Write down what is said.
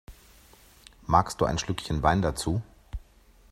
Magst du ein Schlückchen Wein dazu?